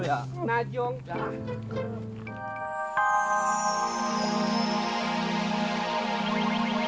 baru punya motor ya